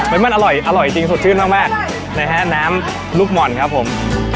มันอร่อยอร่อยจริงสดชื่นมากนะฮะน้ำลูกหม่อนครับผม